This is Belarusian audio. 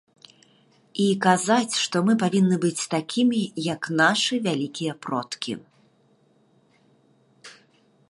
І казаць, што мы павінны быць такімі, як нашы вялікія продкі.